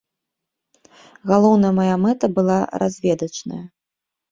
Галоўная мая мэта была разведачная.